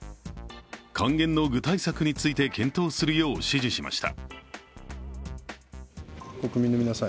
還元の具体策について検討するよう指示しました。